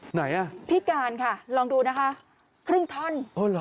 ไหนน่ะพี่การค่ะลองดูนะคะครึ่งทัน